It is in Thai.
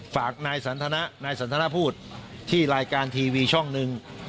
ฝากนายสันทนะนายสันทนาพูดที่รายการทีวีช่องหนึ่ง